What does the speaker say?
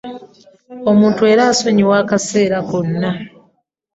Omuntu era asonyiwa akaseera konna.